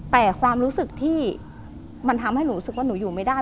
แต่ความรู้สึกที่มันทำให้หนูรู้สึกว่าหนูอยู่ไม่ได้